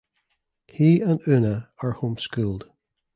He and Oona are homeschooled.